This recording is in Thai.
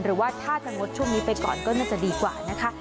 หรือว่าถ้าจะงดช่วงนี้ไปก่อนก็น่าจะดีกว่านะคะ